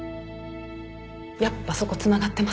やっぱそこつながってます？